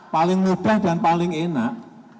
paling mudah dan paling enak